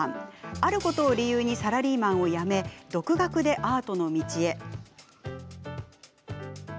あることを理由にサラリーマンを辞め独学でアートの道へ。